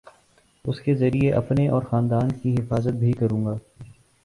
اس کے ذریعے اپنے اور خاندان کی حفاظت بھی کروں گی